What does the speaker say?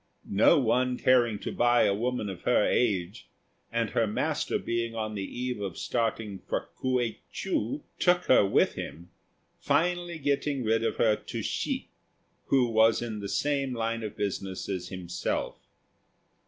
No one caring to buy a woman of her age, and her master being on the eve of starting for K'uei chou, took her with him, finally getting rid of her to Hsi, who was in the same line of business as himself.